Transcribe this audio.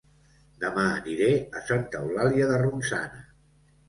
Dema aniré a Santa Eulàlia de Ronçana